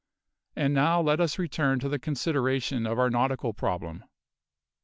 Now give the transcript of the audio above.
And now, let us return to the consideration of our nautical problem."